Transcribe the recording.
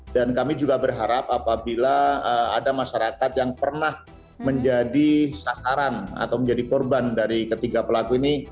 dan kami juga berharap apabila ada masyarakat yang pernah menjadi sasaran atau menjadi korban dari ketiga pelaku ini